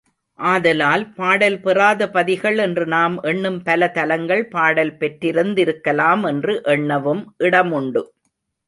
ஆதலால் பாடல் பெறாத பதிகள் என்று நாம் எண்ணும் பல தலங்கள் பாடல்கள் பெற்றிருந்திருக்கலாம் என்று எண்ணவும் இடமுண்டு.